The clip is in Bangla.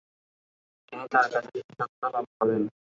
তিনি তার কাছে শিষ্যত্ব লাভ করেন।